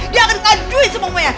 dia akan kanduin semuanya